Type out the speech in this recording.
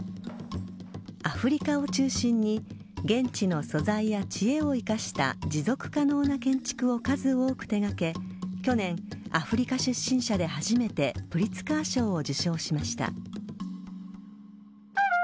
アフリカを中心に現地の素材や知恵を生かした持続可能な建築を数多く手掛け去年、アフリカ出身者で初めてプリツカー賞を受賞しました。